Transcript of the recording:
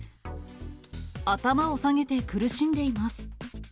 頭を下げて苦しんでいます。